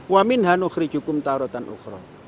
wamin hanukri cukum tarotan ukhron